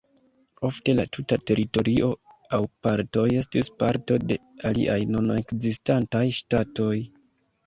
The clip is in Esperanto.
Ofte la tuta teritorio aŭ partoj estis parto de aliaj nun ekzistantaj ŝtatoj.